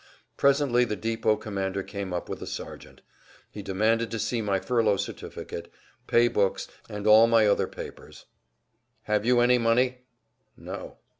Presently the depot commander came up with a sergeant. He demanded to see my furlough certificate, pay books, and all my other papers. "Have you any money?" "No."